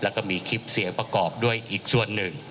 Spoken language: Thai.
แล้วก็มีคลิปเสียงประกอบด้วยอีกส่วนหนึ่ง